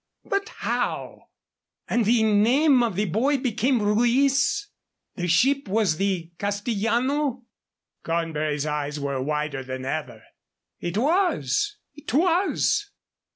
But how " "And the name of the boy became Ruiz? The ship was the Castillano?" Cornbury's eyes were wider than ever. "It was it was!"